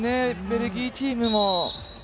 ベルギーチームも。